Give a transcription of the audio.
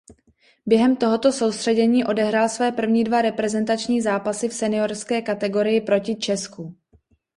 Během tohoto soustředění odehrál své první dva reprezentační zápasy v seniorské kategorii proti Česku.